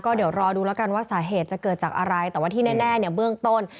เดี๋ยวรอดูแล้วกันว่าสาเหตุจะเกิดจากอะไรแต่ว่าที่แน่เนี่ยเบื้องต้น